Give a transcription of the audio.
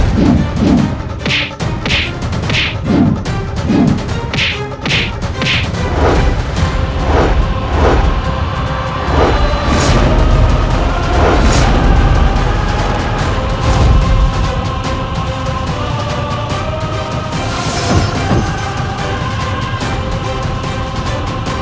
tidak ada apa apa